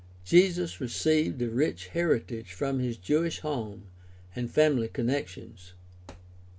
Jesus received a rich heritage from his Jewish home and family connections.